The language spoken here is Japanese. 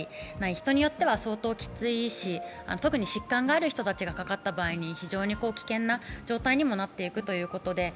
人によっては相当きついし、特に疾患のある方がかかった場合に非常に危険な状態にもなっていくということで。